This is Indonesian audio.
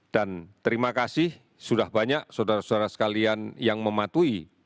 dan terima kasih sudah banyak saudara saudara sekalian yang mematuhi